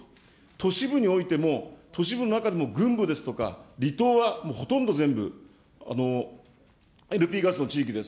都市部においても、都市部の中でも郡部ですとか、離島はほとんど全部、ＬＰガスの地域です。